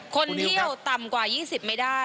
คนเที่ยวต่ำกว่า๒๐ไม่ได้